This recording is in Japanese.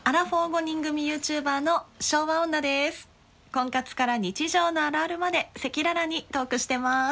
婚活から日常のあるあるまで赤裸々にトークしてます。